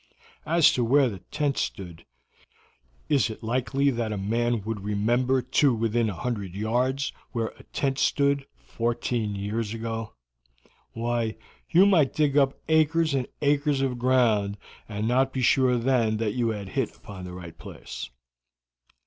As to where the tent stood, is it likely that a man would remember to within a hundred yards where a tent stood fourteen years ago? Why, you might dig up acres and acres of ground and not be sure then that you had hit upon the right place."